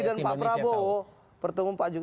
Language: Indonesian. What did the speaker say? dan pak prabowo